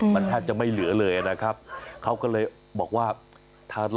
มันแทบจะไม่เหลือเลยนะครับเขาก็เลยบอกว่าถ้ารอ